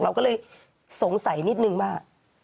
เราก็เลยสงสัยนิดนึงว่า